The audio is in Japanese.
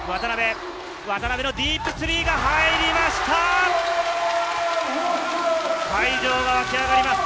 渡邉のディープスリーが入りました！